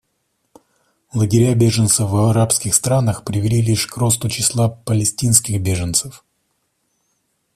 Лагеря беженцев в арабских странах привели лишь к росту числа палестинских беженцев.